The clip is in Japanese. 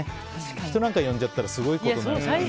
人なんか呼んじゃったらすごいことになりますからね。